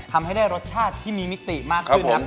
ทำให้ได้รสชาติที่มีมิติมากขึ้นครับ